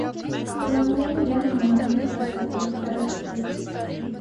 Ծնողները նրան համարում են սարսափելի չարաճճի։